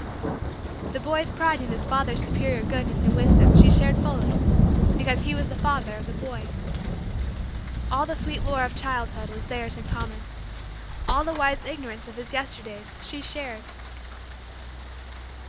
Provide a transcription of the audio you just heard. The boy's pride in his father's superior goodness and wisdom she shared fully because he was the father of the boy. All the sweet lore of childhood was theirs in common. All the wise Ignorance of his Yesterdays she shared.